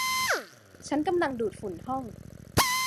ฉันกำลังดูดฝุ่นห้อง